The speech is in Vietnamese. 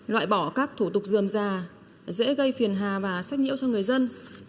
loại bỏ các thủ tục dườm già dễ gây phiền hà và sách nhiễu cho người dân